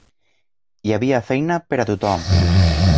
Hi havia feina per a tothom